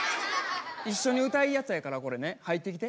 一緒に歌うやつやからこれね入ってきて。